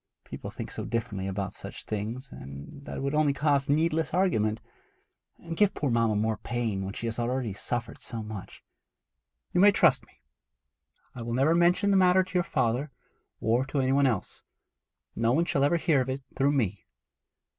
People think so differently about such things that it would only cause needless argument, and give poor mamma more pain when she has already suffered so much.' 'You may trust me. I will never mention the matter to your father, or to any one else. No one shall ever hear of it through me.'